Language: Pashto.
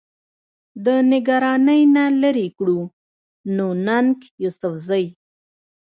د نګرانۍ نه لرې کړو، نو ننګ يوسفزۍ